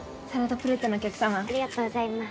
プレートのお客さまありがとうございます